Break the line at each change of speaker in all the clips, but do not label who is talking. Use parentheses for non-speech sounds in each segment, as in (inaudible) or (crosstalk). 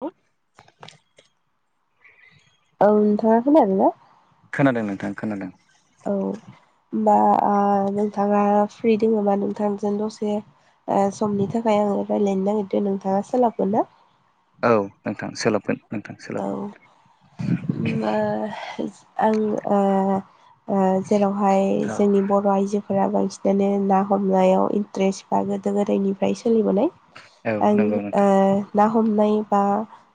उ औ नोंथाङा खोनादोंना?
खोनादों नोंथां खोनादों।
औ होमबा ओ नोंथाङा फ्रि दङबा नोंथांजों दसे समनि थाखाय आङो रायज्लायनो नागिरदों नोंथाङा सोलाबगोन ना?
औ नोंथां सोलाबगोन नोंथां सोलाबगोन।
ओम ओ आं ओ ओ जेरावहाय
औ
जोंनि बर' आइजो फोरा बांसिनानो ना हमनायाव इन्ट्रेस्ट बा गोदो गोदायनिफ्राय सोलिबोनाय
औ
आं
नंगौ
ओ
नोंथां
ना हमनाय बा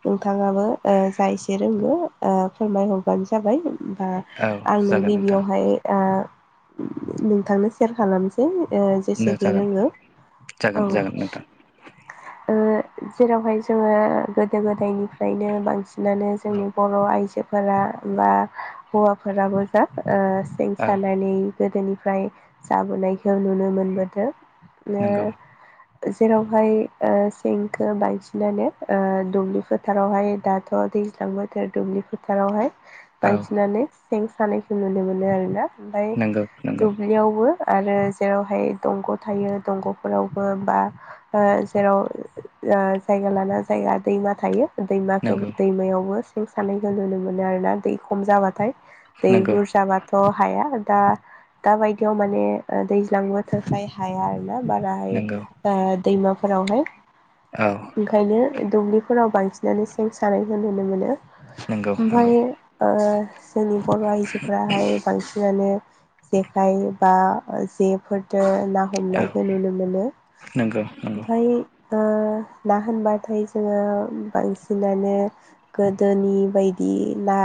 नोंथाङाबो ओ जा एसे रोङो ओ फोरमायहरबानो जाबाय। ओमबा
औ
आंनो
जागोन नोंथां
गिबियावहाय ओ नोंथांनो सेयार खालामसै ओ जेसेखि
जागोन
रोङो
जागोन
औ
जागोन नोंथां
ओ जेरावहाय जोङो गोदो गोदायनिफ्राय बांसिनानो
औ
जोंनि बर' आइजोफोरा बा हौवाफोराबो जा ओ सेन
औ
सानानै गोदोनिफ्राय जाबोनायखौ नुनो मोनबोदों।
नंगौ
ओ जेरावहाय ओ सेंखौ बांसिनानो दुब्लि फोथारावहाय दा थ दैज्लां बोथोर दुब्लि फोथारावहाय
औ
बांसिनानो सें सानायखौ नुनो मोनो आर ना ओमफ्राय
नंगौ नंगौ
दुब्लियावबो आरो जेरावहाय दंग' थायो दंग'फोरावबो बा ओ जेराव ओ जायगा लाना जायगा दैमा थायो दैमाखौ।
नंगौ
दैमायावबो सें सानायखौ नुनो मोनो आरोना दै खम जाबाथाय दै
नंगौ
बुरजाबाथ' हाया। दा दा बायदियाव माने दैज्लां बोथोरखाय हाया आरो। बाराय
नंगौ
ओ दैमाफोरावहाय
औ
ओंखायनो दुब्लि। फोराव बांसिनानो सें सानायखौ नुनो मोनो।
नंगौ
ओमफाय
नंगौ
ओ जोंनि बर' आइजोफोराहाय बांसिनानो। जेखाइ बा जेफोरजों ना
औ
हमनायखौ नुनो मोनो
नंगौ नंगौ
ओमफ्राय। ना होनबाथाय जोङो बांसिन नानो गोदोनि बायदि ना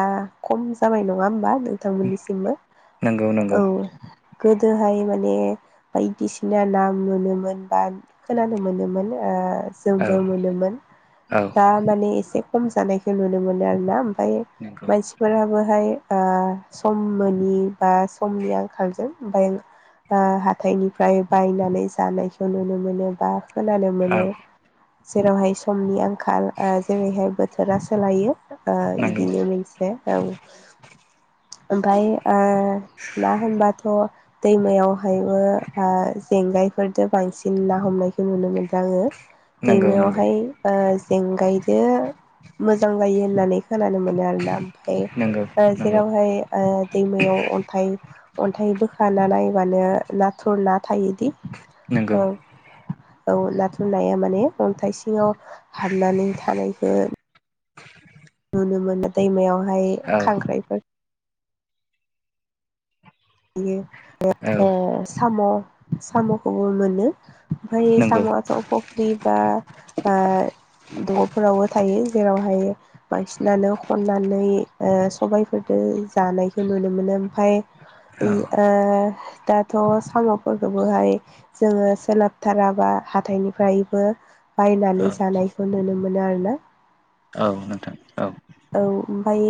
खम जाबाय नङा होमबा। नोंथांमोननिसिमबो
नंगौ नंगौ
औ गोदोहाय माने बायदिसिना ना मोनोमोन बा खोनानो मोनोमोन ओ।
औ
जोंबो मोनोमोन
औ
दा माने एसे खम जानायखौ नुनो मोनो आरोना। ओमफाय
नंगौ
मानसिफोराबोहाय सम मोनि बा समनि आंखालजों हाथाइनिफ्राय बायनानै जानायखौ नुनो मोनो बा। खोनानो
औ
मोनो जेरावहाय समनि आंखाल। जेरैहाय बोथोरा सोलायो
नंगौ
बिदिनो मोनसे औ। ओमफ्राय ना होनबाथ'। दैमायावहायबो जेंगायफोरजों बांसिन ना हमनाय नुनो मोनदों आङो
नंगौ नंगौ
दैमायावहाय जेंगाय। मोजां जायो होननानै खोनानो मोनो आरोना
नंगौ
ओमफ्राय।
नंगौ
जेरावहाय दैमायाव अन्थाइ अन्थाइ बोखानानै मानो नाथुर ना थायोदि।
नंगौ।
औ औ नाथुरनाया माने अन्थाइ सिङाव हाबनानै थानायखौ नुनो मोनो दैमायावहाय
औ
खांख्राइफोर बि
औ
साम' साम'खौबो मोनो। ओमफ्राय
नंगौ
साम'आथ' अफबा अफ्रि बा ओ। दग'फोरावबो थायो जेरावहाय बांसिनानो खननानै सबायफोरजों। जानायखौ नुनो मोनो ओमफ्राय
औ
ओ दाथ' साम'फोरखौबोहाय जोङो सोलाबथाराबा हाथाइनिफ्रायबो। बायनानै
औ
जानायखौ नुनो मोनो आरो ना।
औ नोंथां औ।
ओमफाय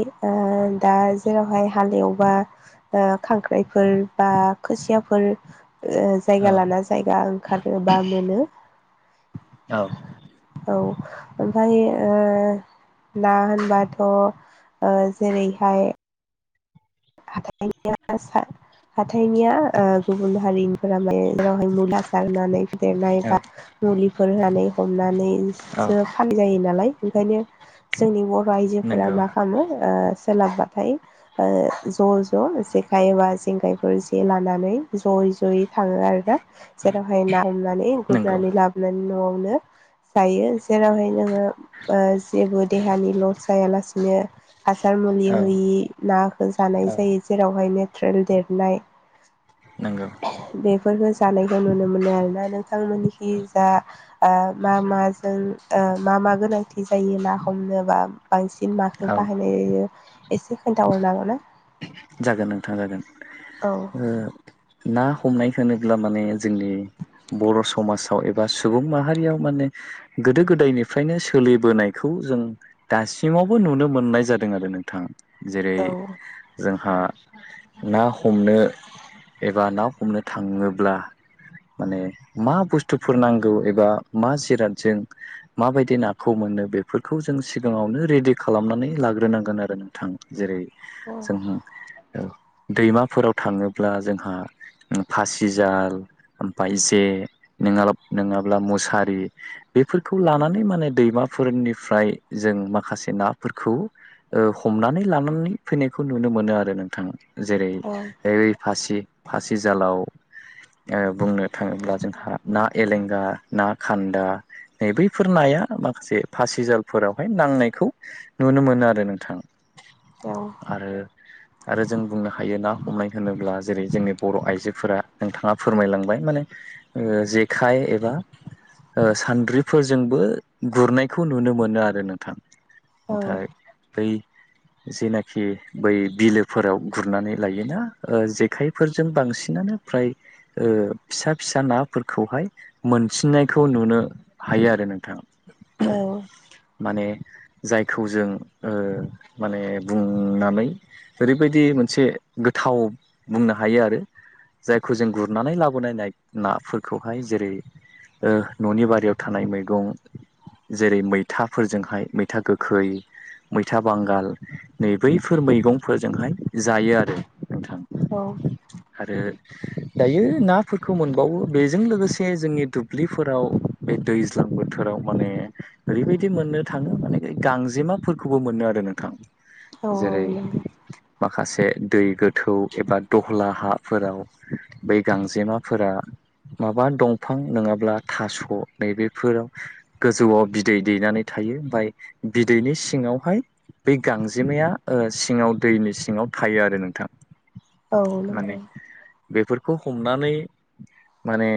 दा जेरावहाय हाल एवबा खांख्राइफोर बा खोसियाफोर
औ
जायगा लाना जायगा ओंखारोबा मोनो।
औ।
औ ओमफ्राय ओ ना होनबा थ' जेरैहाय हाइनिया हाथाइनिया गुबुन हारिनिफोरा माने जेरावहाय मुला सारनानै फेदेरनाय बा मुलिफोर होनानै
औ औ
हमनानैसो फान जायो नालाय ओंखायनो जोंनि बर' आइजोफोरा
नंगौ
मा खालामो सोलाबबाथाय ओ ज' ज' जेखाइ एबा जेंगायफोर जे लानानै ज'यै जयै थाङो आरोना जेरावहाय ना हमनानै
नंगौ
गुरनानै लाबोनानै न' जायो जेरावहाय नोङो जेबो देहानि लस जायालासिनो हासार मुलि
औ
होयि ना जानाय जायो जेरावहाय (unintelligible) देरनाय
नंगौ।
बेफोरखौ जानायखौ नुनो मोनो आरोना नोंथांमोनखि जा मा मा जों मा मा गोनांथि जायो ना हमनोबा बांसिन माखौ
औ
बाहायनाय जायो एसे खोनथाहरनो हागोन ना
जागोन नोंथां जागोन
औ
ओ ना हमनाय होनोब्ला माने जोंनि बर' समाजाव एबा सुबुं माहारियाव माने गोदो गोदायनिफ्रायनो सोलिबोनायखौ जों दासिमावबो नुनो मोननाय जादों आरो नोंथां जेरै
औ
जोंहा ना हमनो एबा ना हमनो थाङोब्ला माने मा बुस्थुफोर नांगौ एबा मा जिरादजों माबायदि नाखौ मोनो बेफोरखौ जों सिगाङावनो रेडि खालामनानै लाग्रोनांगोन आरो नोंथां जेरै जों औ दैमाफोराव थाङोब्ला जोंहा फासिजाल ओमफाय जे नङाब्ला नङाब्ला मुसारि बेफोरखौ लानानै माने दैमाफोरनिफ्राय जों माखासे नाफोरखौ ओ हमनानै लानानै फैनाय बेखौ नुनो मोनो आरो नोंथां जेरै फासि फासि जालाव बुंनो थाङोब्ला जोंहा ना एलेंगा ना खान्दा नै बैफोर नाया माखासे फासिजालफोरावहाय नांनायखौ नुनो मोनो आरो नोंथां
औ
आरो आरो जों बुंनो हायो ना हमनाय होनोब्ला जेरै जोंनि बर' आइजोफोरा नोंथाङा फोरमायलांबाय माने जेखाइ एबा सानद्रिफोरजोंबो गुरनायखौ नुनो मोनो आरो नोंथां नाथाय बै जेनाखि खि बै बिलोफोराव गुरनानै लायोना जेखाइफोरजों बांसिनानो फ्राय फिसा फिसा नाफोरखौहाय मोनसिननायखौ नुनो हायो आरो नोंथां
औ
माने जायखौ जों माने बुंनानै ओरैबायदि मोनसे गोथाव बुंनो हायो आरो जायखौ जों गुरनानै लाबोनायनाय नाफोरखौहाय जेरै न'नि बारियाव थानाय मैगं जेरै मैथाफोरजोंहाय मैथा गोखै मैथा बांगाल नै बैफोर मैगंफोरजोंहाय जायो आरो नोंथां
औ
आरो दायो नाफोरखौ मोनबावो बेजों लोगोसे जोंनि दुब्लिफोराव दैज्लां बोथोराव माने ओरैबायदि मोननो थाङो माने गांजेमाफोरखौबो मोनो आरो नोंथां जेरै
औ
माखासे दै गोथौ एबा दह्ला हाफोराव बै गांजेमाफोरा माबा दंफां नङाब्ला थास' नैबेफोराव गोजौआव बिदै दैनानै थायो ओमफ्राय बिदैनि सिङाव हाय गांजेमाया सिङाव दैनि सिङाव थायो आरो नोंथां
औ नंगौ
माने बेफोरखौ हमनानै माने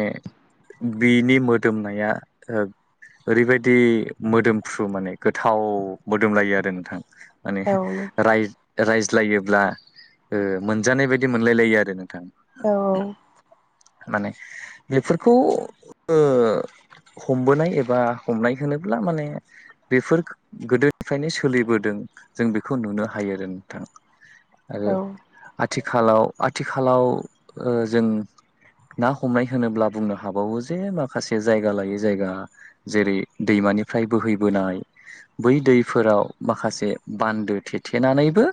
बिनि मोदोमनाया ओरैबायदि मोदोमफ्रु माने गोथाव मोदोम लायो आरो नोंथां माने
औ
रायज्लायोब्ला मोनजानाय बायदि मोनलायलायो आरो नोंथां
औ औ
माने बेफोरखौ हमबोनाय एबा हमनाय होनोब्ला माने बेफोर गोदोनिफ्रायनो सोलिबोदों जों बेखौ नुनो हायो आरो नोंथां आरो
औ
आथिखालाव आथिखालाव जों ना हमनाय होनोब्ला बुंनो हाबावो जे माखासे जायगा लायै जायगा जेरै दैमा बिानिफ्राय बोहैबोनाय बै दैफोराव माखासे बान्दो थेथेनानैबो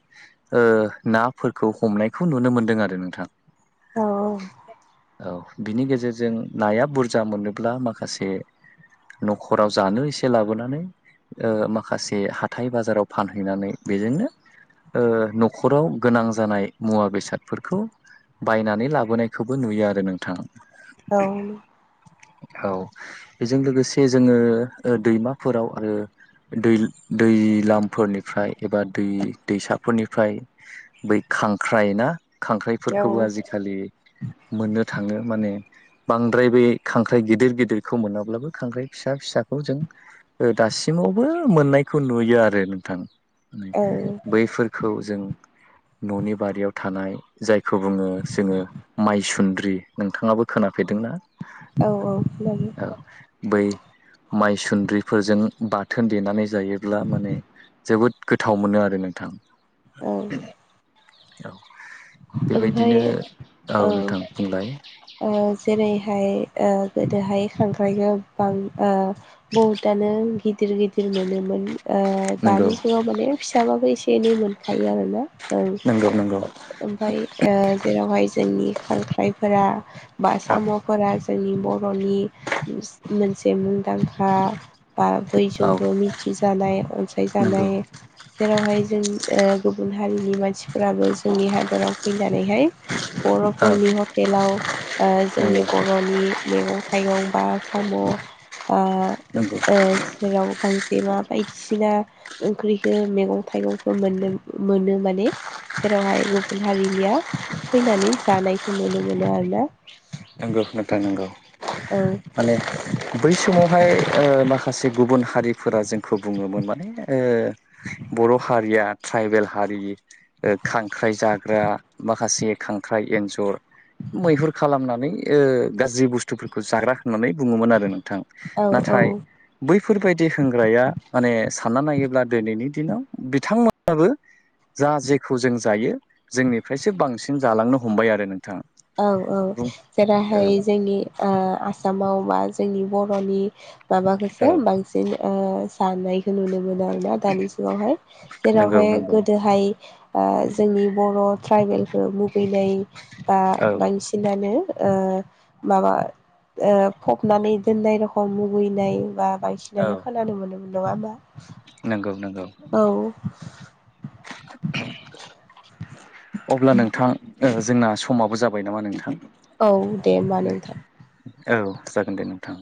नाफोरखौ हमनायखौ नुनो मोनदों आरो नोंथां
औ
औ बिनि गेजेरजों नाया बुरजा मोनोब्ला माखासे न'खराव जानो एसे लाबोनानै ओ माखासे हाथाय बाजाराव फानहैनानै बेजोंनो ओ न'खराव गोनां जानाय मुवा बेसा सादफोरखौ बायनानै लाबोनायखौबो नुयो आरो नोंथां
औ
औ बेजों लोगोसे जोङो दैमाफोराव आरो दै दैलाम फोरनिफ्राय एबा दै दैसाफोरनिफ्राय बै खांख्राय ना
औ औ
खांख्राइफोरखौबो आजिखालि मोननो थाङो माने बांद्राय बे खांख्राइ गिदिर गिदिरखौ मोनाब्लाबो खांख्राइ फिसा फिसाखौ जों ओ दासिम मावबो मोननायखौ नुयो आरो नोंथां
खोनादों
बैफोरखौ जों न'नि बारियाव थानाय जायखौ बुङो जोङो माइसुन्द्रि नोंथाङाबो खोना बेदोंना
औ औ लाबो
बै माइसुन्द्रिफोरजों बाथोन देनानै जायोब्ला माने जोबोद गोथाव मोनो आरो नोंथां
औ
औ
ओमफ्राय
बेबायदिनो औ
ओ
नोंथां बुंलाय
ओ जेरैहाय ओ गोदोहाय खांख्राइ गोबां ओ बहुदआनो गिदिर गिदिर मोनोमोन ओ
नंगौ
दानि जुगाव माने फिसाबाबो एसे एनै मोनखायो आरोना। औ
नंगौ नंगौ
ओम फाय ओ जेरावहाय जोंनि खांख्राइफोरा बा
औ
साम'फोरा जोंनि बर'नि नि मोनसे मुंदांखा बा
औ
बयजोंबो मिथिजानाय अनसाय
नंगौ
जानाय जेरावहाय जों ओ गुबुन हारिनि मानसिफोराबो जोंनि हादराव फैनानैहाय
औ
बर'फोरनि हटेलाव ओ जोंनि
नंगौ
बर'नि मैगं थाइगं बा साम' आ
नंगौ
ओ सेराव गां जेमा बायदिसिना ओंख्रिखौ मैगं थाइगंखौ मोननो मोनो माने जेरावहाय गुबुन हारिनिया फैनानै जानायखौ नुनो मोनो आरो ना
नंगौ नोंथां नंगौ
औ
माने बै समावहाय ओ माखासे गुबुन हारिफोरा जोंखौ बुङोमोन माने ओ बर' हारिया ट्राइबेल हारि ओ खांख्राइ जाग्रा माखासे खांख्राइ एन्जर मैहुर खालामनानै ओ गाज्रि बुस्थुफोरखौ जाग्रा होननानै बुङोमोन आरो नों थां
औ औ
नाथाय बैफोरबायदि होनग्राया माने सानना नायोब्ला दिनैनि दिनाव बिथांमोनहाबो जा जेखौ जों जायो जोंनिफ्रायसो बांसिन जालांनो हमबाय आरो नों
औ औ जेराहाय जोंनि आ आसामाव माव मा जोंनि बर'नि
औ
माबाखौसो बांसिन जानाय खो नुनो मोनो आरोना दानि जुगावहाय।
नंगौ
जेरावहाय
नंगौ
गोदोहाय ओ जोंनि बर' ट्राइबेलखौ मुगैनाय बा
औ
बांसिनानो ओ माबा ओ फबनानै दोननाय रखम मुगैनाय बा
औ
बांसिनानो खोनानो मोनोमोन नङा होमबा
नंगौ नंगौ
औ
अब्ला नोंथां ओ जोंना समाबो जाबा बाय नामा नोंथां
औ दे होमबा नोंथां
औ जागोन दे नोंथां